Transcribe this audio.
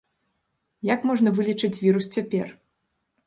Як можна вылічыць вірус цяпер?